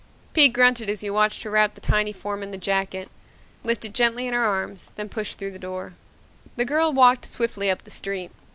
Pete grunted as he watched her wrap the tiny form in the jacket, lift it gently in her arms, then push through the door. The girl walked swiftly up the street.